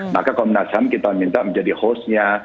maka komnas ham kita minta menjadi hostnya